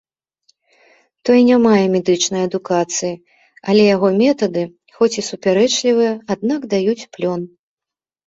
Той не мае медычнай адукацыі, але яго метады хоць і супярэчлівыя, аднак даюць плён.